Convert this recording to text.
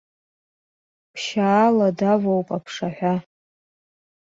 Ԥшьаала давоуп аԥшаҳәа.